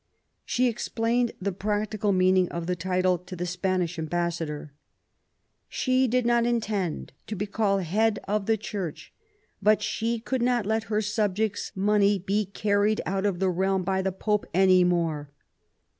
She explained the practical meaning of the title to the Spanish ambassador :'* she did not intend to be called Head of the Church, but she could not let her subjects* money be carried out of the realm by the Pope any more .